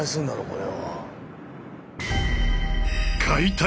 これは。